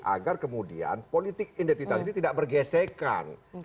agar kemudian politik identitas ini tidak bergesekan